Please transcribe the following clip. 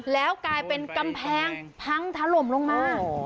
แล้วกลายเป็นกำแพงพังถล่มลงมา